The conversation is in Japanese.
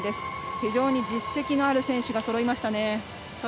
非常に実績のある選手がそろいましたね。